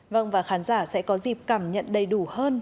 vâng và khán giả sẽ có dịp cảm nhận đầy đủ hơn